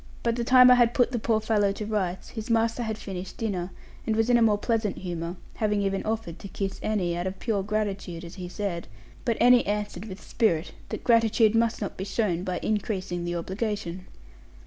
By the time I had put the poor fellow to rights, his master had finished dinner, and was in a more pleasant humour, having even offered to kiss Annie, out of pure gratitude, as he said; but Annie answered with spirit that gratitude must not be shown by increasing the obligation.